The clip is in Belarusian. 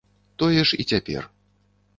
Тое ж і цяпер.